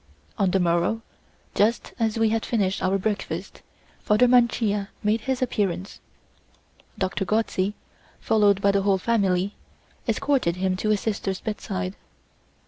On the morrow, just as we had finished our breakfast, Father Mancia made his appearance. Doctor Gozzi, followed by the whole family, escorted him to his sister's bedside.